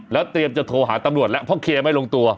แล้วเตรียมจะโทรหาตำรวจแล้วเพราะเคลียร์ไม่ลงตัว